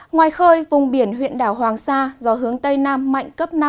ngoài khơi vùng biển huyện đảo hoàng sa gió hướng tây nam mạnh cấp năm